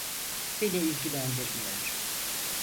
Beni ilgilendirmiyor.